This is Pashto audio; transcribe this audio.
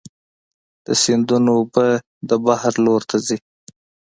د سیندونو اوبه د بحر لور ته ځي.